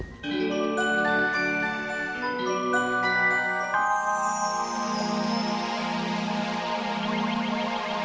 saat silem padanya bang